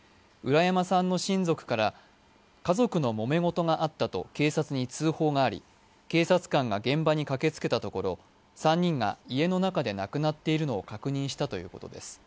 浦山さんの親族から家族のもめごとがあったと警察に通報があり警察官が現場に駆けつけたところ３人が家の中で亡くなっているのを確認したということです。